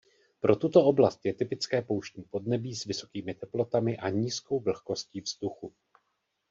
Pro tuto oblast je typické pouštní podnebí s vysokými teplotami a nízkou vlhkostí vzduchu.